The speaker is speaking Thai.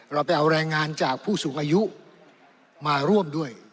เราไปเอาแรงงานจากผู้สูงอายุมาร่วมด้วย